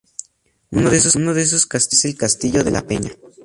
Uno de esos castillos es el castillo de la Peña.